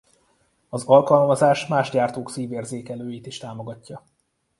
Az alkalmazás más gyártók szívérzékelőit is támogatja.